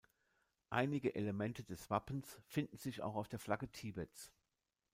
Einige Elemente des Wappens finden sich auch auf der Flagge Tibets.